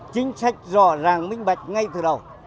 chính sách rõ ràng minh bạch ngay từ đầu